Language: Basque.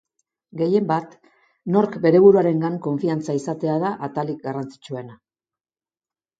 Gehien bat, norbere buruarengan konfidantza izatea da atalik garrantzitsuena.